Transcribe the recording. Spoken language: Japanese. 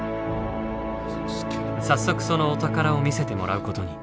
早速そのお宝を見せてもらうことに。